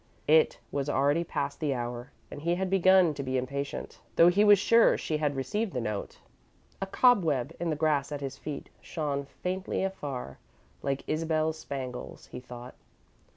It was already past the hour and he had begun to be impatient, though he was sure she had received the note. A cobweb in the grass at his feet shone faintly afar like Isabel's spangles, he thought.